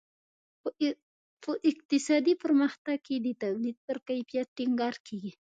په اقتصادي پرمختګ کې د تولید پر کیفیت ټینګار کیږي.